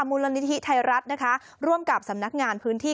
มูลนิธิไทยรัฐนะคะร่วมกับสำนักงานพื้นที่